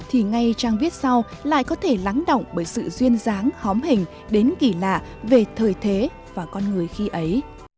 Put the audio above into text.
thì ngay trang viết sau lại có thể lắng động bởi sự duyên dáng hóm hình đến kỳ lạ về thời thế và con người khi ấy